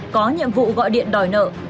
có nhiệm vụ gọi điện đòi nợ